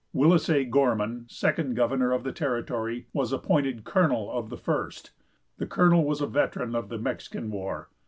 Willis A. Gorman, second governor of the territory, was appointed colonel of the First. The colonel was a veteran of the Mexican War.